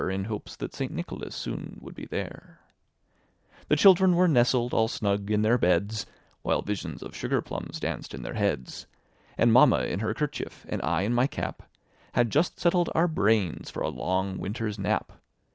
In hopes that St. Nicholas soon would bo there; The children were nestled all snug in their beds, While visions of sugar plums danced in their heads; And mamma in her kerchief, and I in my cap, Had just settled our brains for a long winter's nap.